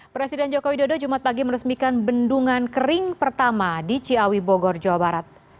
presiden jokowi dodo jumat pagi meresmikan bendungan kering pertama di ciawi bogor jawa barat